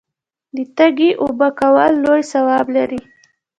د تږي اوبه کول لوی ثواب لري.